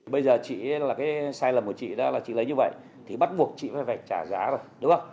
bây giờ sai lầm của chị là chị lấy như vậy thì bắt buộc chị phải trả giá rồi